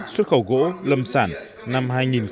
xuất khẩu gỗ lâm sản năm hai nghìn một mươi tám